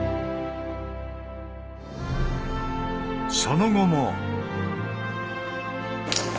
その後も。